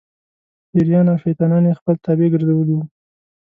پېریان او شیطانان یې خپل تابع ګرځولي وو.